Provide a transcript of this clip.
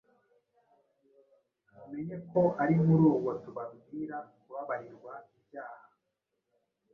mumenye ko ari muri uwo tubabwira kubabarirwa ibyaha: